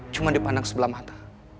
cuma dipandang sebelah mata